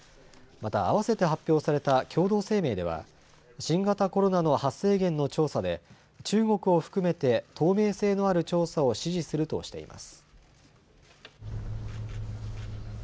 また、あわせて発表された共同声明では新型コロナの発生源の調査で中国を含めて透明性のある調査を支持するとしています。